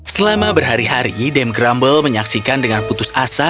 selama berhari hari dame grumble menyaksikan dengan putus asa